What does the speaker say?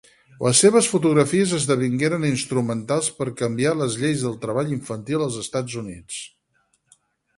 Les seves fotografies esdevingueren instrumentals per canviar les lleis del treball infantil als Estats Units.